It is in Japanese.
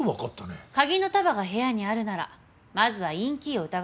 鍵の束が部屋にあるならまずはインキーを疑うべきよ。